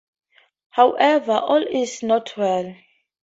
However, all is not well.